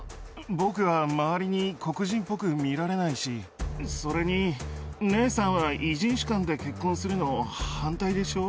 僕は周りに黒人っぽく見られないし、それに姉さんは異人種間で結婚するの、反対でしょ？